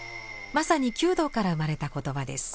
まさに弓道から生まれた言葉です。